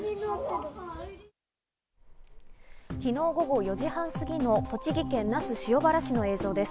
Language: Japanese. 昨日午後４時半過ぎの栃木県那須塩原市の映像です。